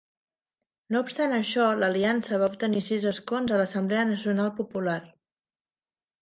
No obstant això, l'aliança va obtenir sis escons a l'Assemblea Nacional Popular.